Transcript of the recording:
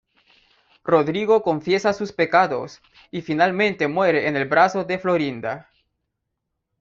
Rodrigo confiesa sus pecados, y finalmente muere en el abrazo de Florinda.